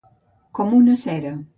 Com una cera.